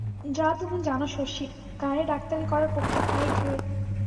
যা তুমি জানো শশী, গাঁয়ে ডাক্তারি করার পক্ষে তাই ঢের।